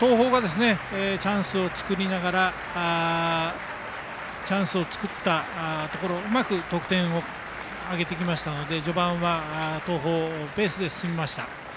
東邦がチャンスを作ったところでうまく得点を挙げていきましたので序盤は東邦ペースで進みました。